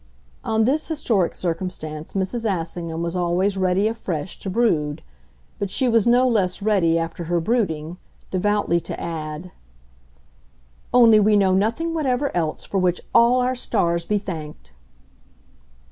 On this historic circumstance Mrs. Assingham was always ready afresh to brood; but she was no less ready, after her brooding, devoutly to add "Only we know nothing whatever else for which all our stars be thanked!"